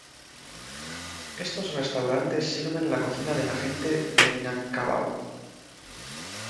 Estos restaurantes sirven la cocina de la gente de Minangkabau.